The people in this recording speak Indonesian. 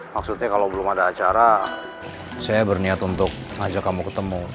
maksudnya kalau belum ada acara saya berniat untuk ngajak kamu ketemu